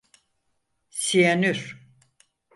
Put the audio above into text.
Siyanür…